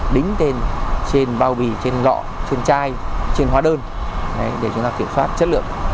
đính tên trên bao bì trên lọ trên chai trên hóa đơn để chúng ta kiểm soát chất lượng